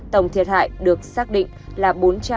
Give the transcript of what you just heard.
tổng thiệt hại được xác định là bốn trăm chín mươi tám